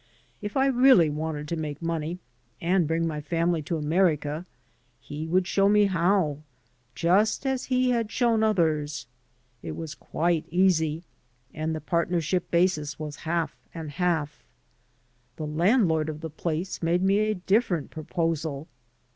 If I really wanted to make money and bring my family to America, he would show me how, just as he had shown others. It was quite easy, and the partnership basis was half and half. The landlord of the place made me a different proposal.